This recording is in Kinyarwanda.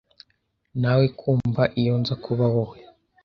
Nawekumva iyo nza kuba wowe.